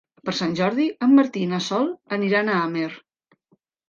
Per Sant Jordi en Martí i na Sol aniran a Amer.